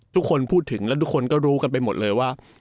ทุกคนพูดถึงและทุกคนก็รู้กันไปหมดเลยว่า